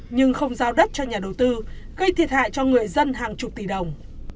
nhưng không giao đất cho nhà đầu tư gây thiệt hại cho người dân hàng chục tỷ đồng